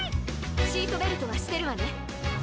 シートベルトはしてるわね！